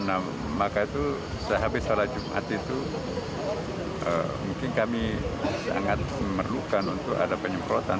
nah maka itu sehabis salat jumat itu mungkin kami sangat memerlukan untuk ada penyemprotan